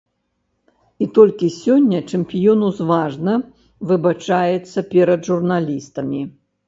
І толькі сёння чэмпіён узважана выбачаецца перад журналістамі.